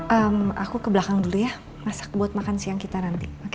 ehm aku ke belakang dulu ya masak buat makan siang kita nanti